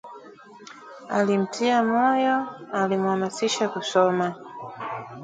Alimtia moyo, alimhamasisha kusoma